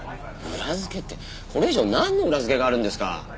裏づけってこれ以上なんの裏づけがあるんですか？